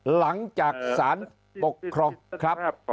หลังจากสารปกครองครับ